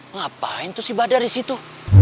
ngapain tuh si badan disitu